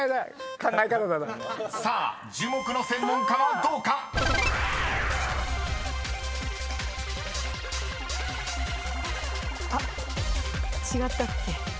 ［さあ樹木の専門家はどうか⁉］あっ違ったっけ？